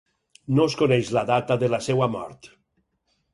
No es coneix la data de la seua mort.